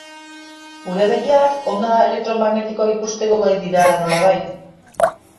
Gure begiak onda elektromagnetikoak ikusteko gai dira, nolabait.